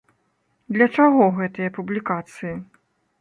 Для чаго гэтыя публікацыі?